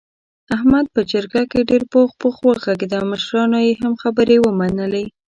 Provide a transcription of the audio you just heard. احمد په جرګه کې ډېر پوخ پوخ و غږېدا مشرانو یې هم خبرې ومنلې.